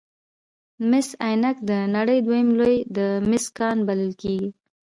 مس عینک د نړۍ دویم لوی د مسو کان بلل کیږي.